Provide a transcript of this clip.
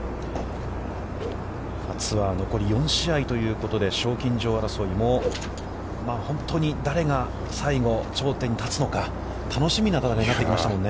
ツアー残り４試合ということで賞金女王争いも、本当に誰が最後頂点に立つのか楽しみな戦いになってきましたもんね。